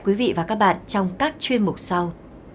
quý vị và các bạn trong các chuyên mục sau